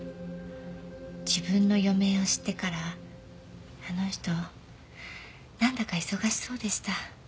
自分の余命を知ってからあの人なんだか忙しそうでした。